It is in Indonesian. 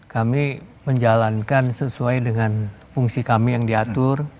kami menjalankan sesuai dengan fungsi kami yang diatur